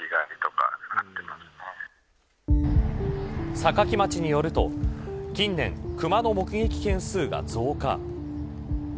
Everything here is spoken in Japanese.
坂城町によると近年、クマの目撃件数が増加。